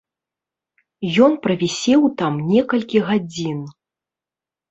Ён правісеў там некалькі гадзін.